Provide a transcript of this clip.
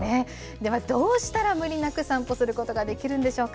ではどうしたら無理なく散歩することができるんでしょうか。